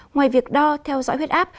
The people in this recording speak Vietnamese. ngoài việc đo theo dõi huyết áp